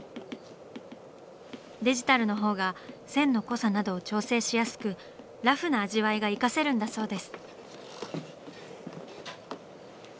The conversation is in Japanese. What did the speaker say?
デジタルの方が線の濃さなどを調整しやすくラフな味わいが生かせるんだそうです。